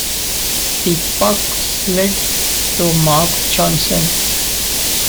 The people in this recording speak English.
The puck slid to Mark Johnson.